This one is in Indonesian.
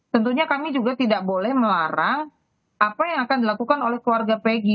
tentunya kami juga tidak boleh melarang apa yang akan dilakukan oleh keluarga peggy